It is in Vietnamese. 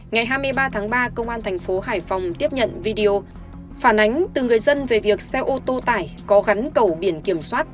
ngày hai mươi ba tháng ba công an thành phố hải phòng tiếp nhận video phản ánh từ người dân về việc xe ô tô tải có gắn cầu biển kiểm soát một mươi năm c ba mươi nghìn tám trăm hai mươi hai